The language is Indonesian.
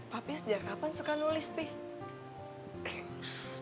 papi sejak kapan suka nulis be